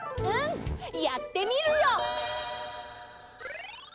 やってみるよ！